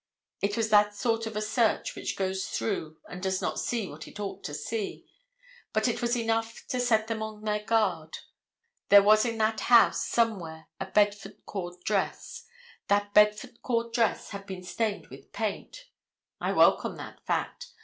It was that sort of a search which goes through and does not see what it ought to see. But it was enough to set them on their guard. There was in that house somewhere a bedford cord dress. That bedford cord dress had been stained with paint. I welcome that fact.